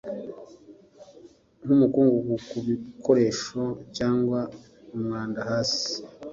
nk'umukungugu ku bikoresho cyangwa umwanda hasi